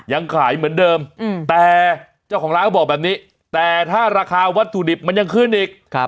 ยังขายเหมือนเดิมแต่เจ้าของร้านก็บอกแบบนี้แต่ถ้าราคาวัตถุดิบมันยังขึ้นอีก